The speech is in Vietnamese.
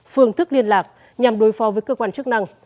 phương thức liên lạc nhằm đối phó với cơ quan chức năng